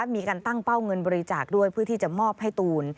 มีการตั้งเป้าเงินบริจาคด้วยเพื่อที่จะมอบให้ตูน